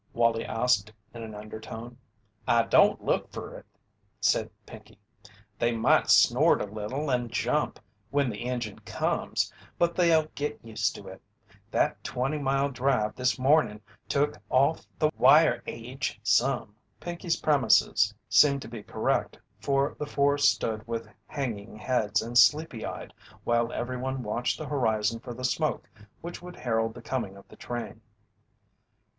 Wallie asked in an undertone. "I don't look fer it," said Pinkey. "They might snort a little, and jump, when the engine comes, but they'll git used to it. That twenty mile drive this mornin' took off the wire aidge some." Pinkey's premises seemed to be correct, for the four stood with hanging heads and sleepy eyed while everyone watched the horizon for the smoke which would herald the coming of the train.